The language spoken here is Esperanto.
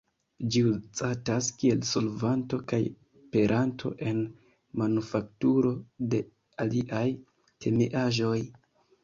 Ĝi uzatas kiel solvanto kaj peranto en manufakturo de aliaj kemiaĵoj.